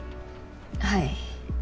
はい。